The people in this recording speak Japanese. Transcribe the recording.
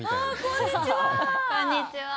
こんにちは。